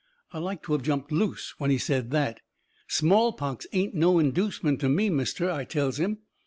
I like to of jumped loose when he says that. "Smallpox ain't no inducement to me, mister," I tells him.